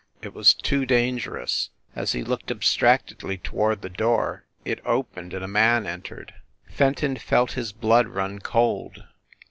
It was too dangerous. As he looked abstractedly toward the door it opened and a man entered. Fenton felt his blood run cold.